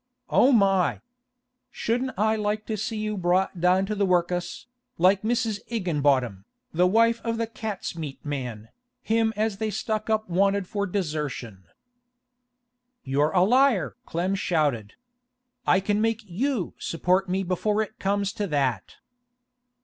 Oh my! Shouldn't I like to see you brought down to the work'us, like Mrs. Igginbottom, the wife of the cat's meat man, him as they stuck up wanted for desertion!' 'You're a liar!' Clem shouted. 'I can make you support me before it comes to that.